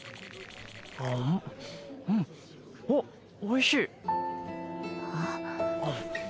うんあっおいしい。